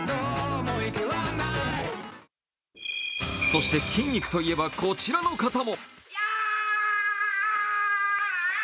そして筋肉といえばこちらの方も。